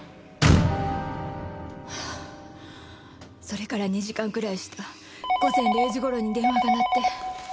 それから２時間ぐらいした午前０時頃に電話が鳴って。